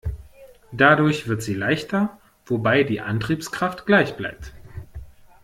Dadurch wird sie leichter, wobei die Antriebskraft gleich bleibt.